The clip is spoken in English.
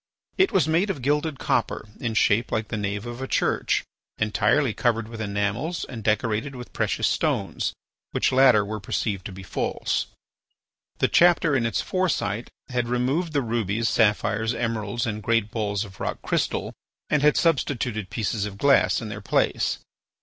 It was made of gilded copper in shape like the nave of a church, entirely covered with enamels and decorated with precious stones, which latter were perceived to be false. The chapter in its foresight had removed the rubies, sapphires, emeralds, and great balls of rock crystal, and had substituted pieces of glass in their place.